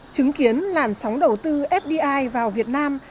chứng kiến làn sóng đầu tư fdi vào việt nam